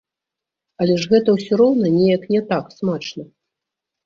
Але ж гэта ўсё роўна неяк не так смачна.